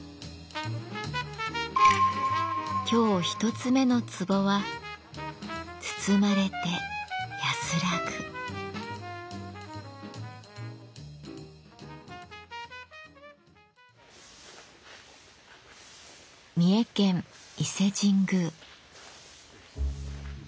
今日１つ目の壺は三重県伊勢神宮。